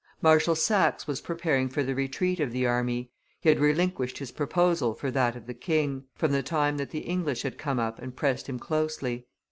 Marshal Saxe was preparing for the retreat of the army; he had relinquished his proposal for that of the king, from the time that the English had come up and pressed him closely.